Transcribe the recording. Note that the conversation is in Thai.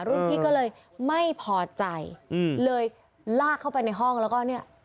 รุ่นพี่ก็เลยไม่พอใจอืมเลยลากเข้าไปในห้องแล้วก็เนี่ย